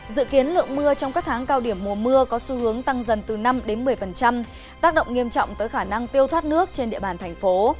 dự kiến lượng mưa trong các tháng cao điểm mùa mưa có xu hướng tăng dần từ năm một mươi tác động nghiêm trọng tới khả năng tiêu thoát nước trên địa bàn thành phố